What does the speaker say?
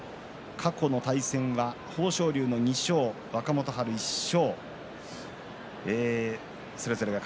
過去の対戦は豊昇龍２勝若元春１勝。